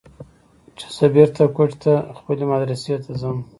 چې زه بېرته کوټې ته خپلې مدرسې ته ځم.